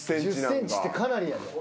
１０ｃｍってかなりやで。